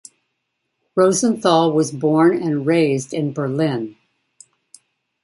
Rosenthal was born and raised in Berlin.